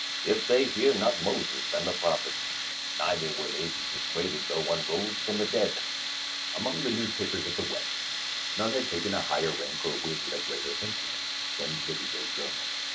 " If they hear not Moses ^^in to and the prophets, neither will they be persuaded though 23, i860, ms. one rose from the dead." Among the newspapers of the West, none had taken a higher rank or wielded a greater influence than the " Louisville Journal."